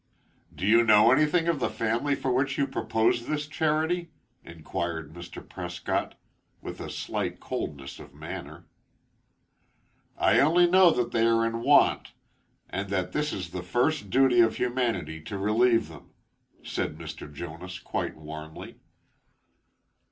"Do you know anything of the family for which you propose this charity?" inquired Mr. Prescott, with a slight coldness of manner. "I only know that they are in want and that it is the first duty of humanity to relieve them," said Mr. Jonas, quite warmly.